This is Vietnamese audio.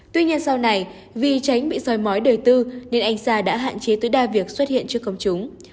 tuy nhiên sau này vì tránh bị soi mói đời tư nên anh sa đã hạn chế tối đa việc xuất hiện trước công chúng